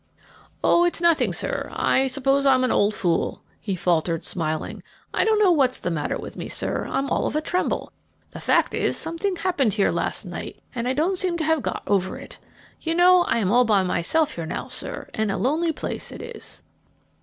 "Oh, it's nothing, sir; I suppose I'm an old fool," he faltered, smiling. "I don't know what's the matter with me, sir I'm all of a tremble. The fact is, something happened here last night, and I don't seem to have got over it. You know, I am all by myself here now, sir, and a lonely place it is."